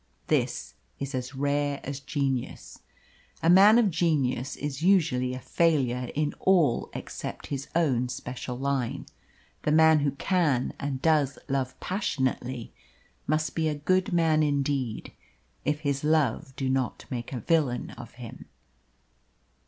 This is as rare as genius. A man of genius is usually a failure in all except his own special line. The man who can and does love passionately must be a good man indeed if his love do not make a villain of him.